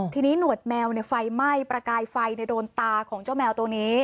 ทีนี้หนวดแมวไฟไหม้ประกายไฟโดนตาของเจ้าแมวตัวนี้